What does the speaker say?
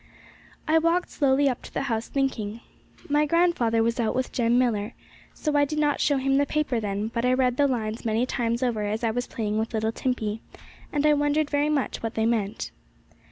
I walked slowly up to the house thinking. My grandfather was out with Jem Millar, so I did not show him the paper then, but I read the lines many times over as I was playing with little Timpey, and I wondered very much what they meant.